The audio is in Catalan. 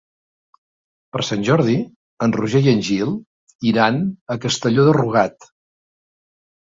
Per Sant Jordi en Roger i en Gil iran a Castelló de Rugat.